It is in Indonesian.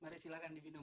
mari silahkan dipinum